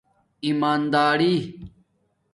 ایماندری